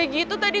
udah gitu tadi